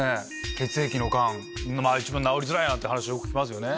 血液のがん一番治りづらいなんて話よく聞きますよね。